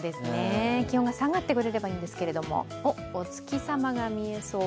気温が下がってくれればいいんですけれども、おっ、お月さまが見えそう。